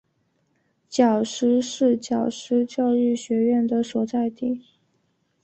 皎施是皎施教育学院的所在地。